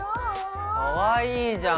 かわいいじゃん！